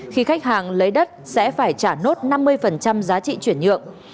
khi khách hàng lấy đất sẽ phải trả nốt năm mươi giá trị chuyển nhượng